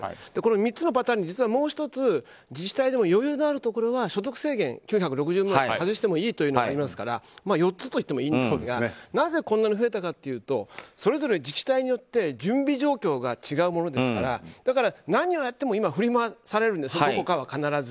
３つのパターンに、もう１つ自治体でも余裕のあるところは所得制限９６０万円を外してもいいというのがありますから４つと言ってもいいと思うんですがなぜ、こんなに増えたかというとそれぞれ自治体によって準備状況が違うものですから何をやっても振り回されるんですけどどこかは必ず。